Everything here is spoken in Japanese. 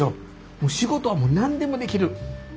もう仕事は何でもできる。